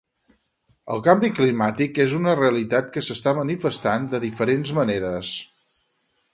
El canvi climàtic és una realitat que s'està manifestant de diferents maneres